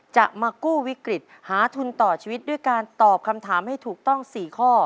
จะมากู้วิกฤตหาทุนต่อชีวิตด้วยการตอบคำถามให้ถูกต้อง๔ข้อ